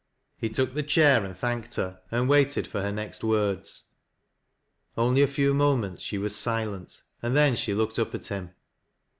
lie took the chair and thanked her, and waited for her next words. Only a few moments she was silent, and then she looked up at him.